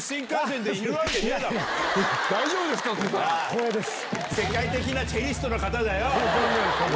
光栄です。